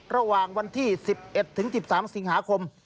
ระหว่างวันที่๑๑๑๓สิงหาคม